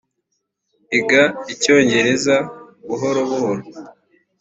iga icyongereza buhoro buhoro